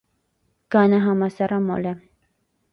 Գանը համասեռամոլ է։